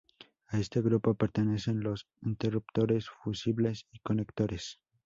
A este grupo pertenecen los interruptores, fusibles y conectores.